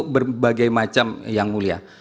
berbagai macam yang mulia